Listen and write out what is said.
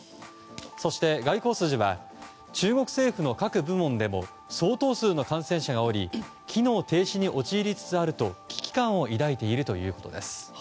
そして、外交筋は中国政府の各部門でも相当数の感染者がおり機能停止に陥りつつあると危機感を抱いているということです。